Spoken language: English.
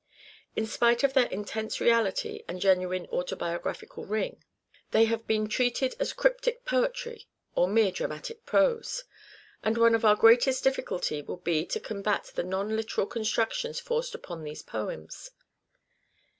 In spite of their intense reality and genuine autobiographical ring, they have been treated as cryptic poetry or mere dramatic pose ; and one of our greatest difficulties will be to combat the non literal constructions forced upon these poems.